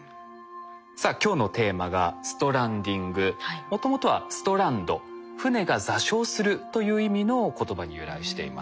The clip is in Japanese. さあ今日のテーマがもともとはストランド「船が座礁する」という意味の言葉に由来しています。